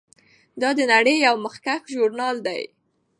دا د نړۍ یو مخکښ ژورنال دی.